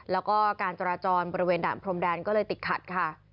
แล้วก็การจราจรบริเวณด่านพรมแดนก็เลยติดขัดค่ะ